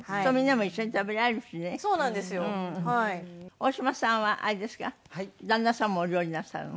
大島さんはあれですか旦那さんもお料理なさるの？